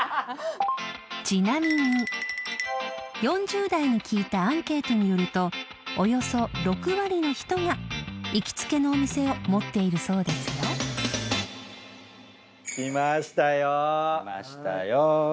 ［ちなみに４０代に聞いたアンケートによるとおよそ６割の人が行きつけのお店を持っているそうですよ］来ましたよ。来ましたよ。